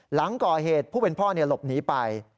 หลังก่อเหตุผู้เป็นพ่อหลบหนีไป